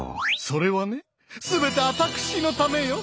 それはねすべてあたくしのためよ。